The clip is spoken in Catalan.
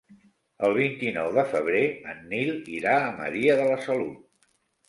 El vint-i-nou de febrer en Nil irà a Maria de la Salut.